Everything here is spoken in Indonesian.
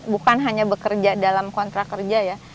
bukan hanya bekerja dalam kontrak kerja ya